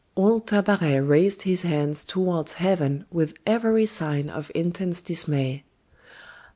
Old Tabaret raised his hands toward heaven with every sign of intense dismay.